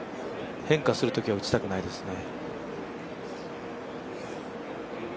変化するときは打ちたくないですね。